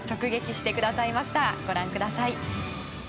ご覧ください。